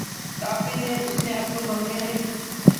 کافی دیر اس نے اتھرو بغنے رہے